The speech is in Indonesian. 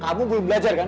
kamu belum belajar kan